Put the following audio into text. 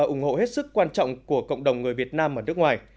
ủng hộ hết sức quan trọng của cộng đồng người việt nam ở nước ngoài